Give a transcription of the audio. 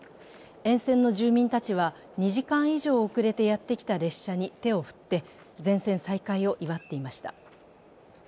沿線の住民たちは２時間以上遅れてやってきた列車に手を振って全線再開を祝っていました。